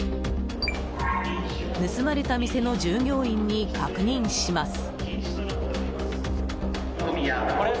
盗まれた店の従業員に確認します。